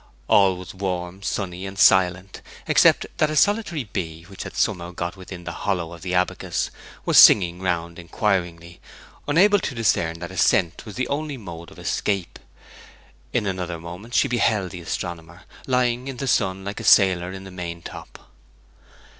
All was warm, sunny, and silent, except that a solitary bee, which had somehow got within the hollow of the abacus, was singing round inquiringly, unable to discern that ascent was the only mode of escape. In another moment she beheld the astronomer, lying in the sun like a sailor in the main top.